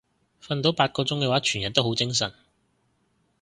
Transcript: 瞓到八個鐘嘅話全日都好精神